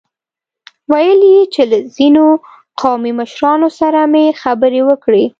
ويل يې چې له ځينو قومي مشرانو سره مې خبرې وکړې.